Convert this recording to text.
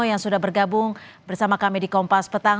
yang sudah bergabung bersama kami di kompas petang